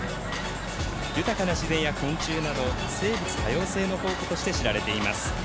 豊かな自然や昆虫など生物多様性の宝庫として知られています。